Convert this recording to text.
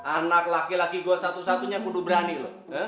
anak laki laki gua satu satunya kudu berani lo